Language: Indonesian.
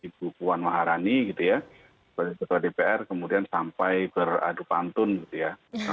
ibu puan maharani gitu ya ketua dpr kemudian sampai beradu pantun gitu ya